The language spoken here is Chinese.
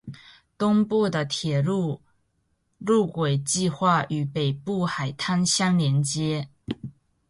东部的铁路路轨计画与北部海滩相联接。